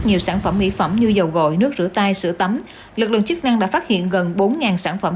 nhiều sản phẩm mỹ phẩm như dầu gội nước rửa tay sữa tắm lực lượng chức năng đã phát hiện gần bốn sản phẩm